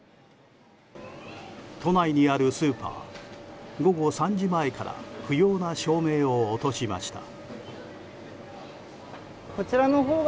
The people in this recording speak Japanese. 都内にあるスーパー午後３時前から不要な照明を落としました。